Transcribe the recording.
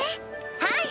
はい！